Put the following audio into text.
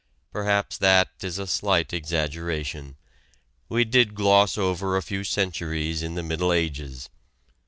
Perhaps that is a slight exaggeration we did gloss over a few centuries in the Middle Ages.